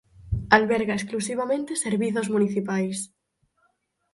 Alberga exclusivamente servizos municipais.